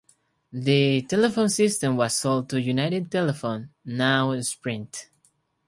The telephone system was sold to United Telephone, now Sprint.